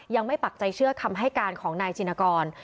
ปักใจเชื่อคำให้การของนายชินกร